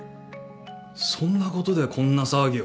そんなことでこんな騒ぎを？